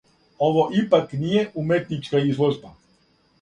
Ово ипак није уметничка изложба.